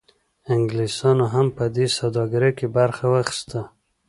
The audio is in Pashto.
انګلیسانو هم په دې سوداګرۍ کې برخه واخیسته.